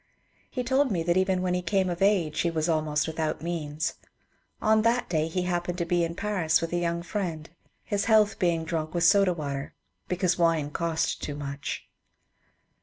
He told me that even when he came of age he was almost without means. On that day he happened to be in Paris with a young friend, his health being drunk with soda water because wine cost too much.